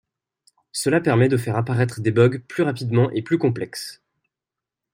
Cela permet de faire apparaître des bogues plus rapidement et plus complexes.